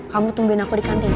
kamu tungguin aku di kantin